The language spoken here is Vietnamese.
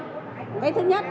cái thứ nhất